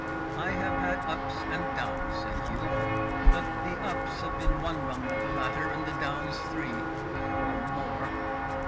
"I have had ups and downs," said Hugh, "but the ups have been one rung of the ladder, and the downs three or more.